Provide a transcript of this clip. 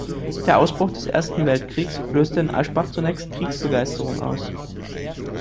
Der Ausbruch des Ersten Weltkrieges löste in Aschach zunächst Kriegsbegeisterung aus.